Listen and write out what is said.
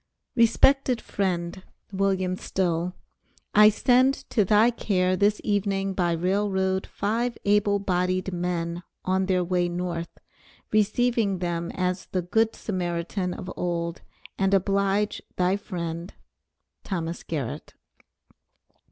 RESPECTED FRIEND: WILLIAM STILL, I send on to thy care this evening by Rail Road, 5 able bodied men, on their way North; receive them as the Good Samaritan of old and oblige thy friend, THOMAS GARRETT.